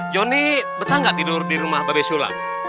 joni betah gak tidur di rumah babi shulam